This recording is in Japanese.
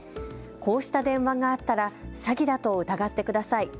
こうした電話があったら詐欺だと疑ってください。